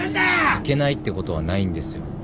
「いけないってことはないんですよ」